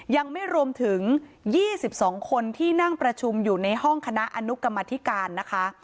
ยังไม่รวมถึง๒๒คนที่นั่งประชุมอยู่ในห้องคณะอนุกรรมธิการนะคะ